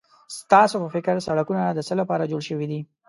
ستاسو په فکر سړکونه د څه لپاره جوړ شوي دي؟